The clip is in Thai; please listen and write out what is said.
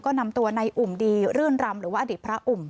ก็นำตัวในอุ่มดีรื่นรำหรือว่าอดีตพระอุ่ม